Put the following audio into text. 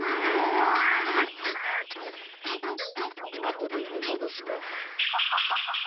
後でうめもどすか。